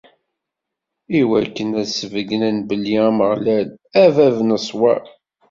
Iwakken ad d-sbeyynen belli Ameɣlal, a bab n ṣṣwab.